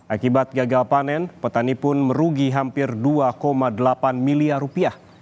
akibat gagal panen petani pun merugi hampir dua delapan miliar rupiah